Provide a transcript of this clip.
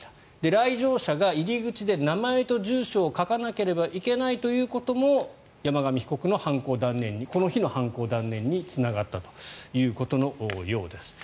来場者が入り口で名前と住所を書かなければいけないということも山上被告のこの日の犯行断念につながったということのようです。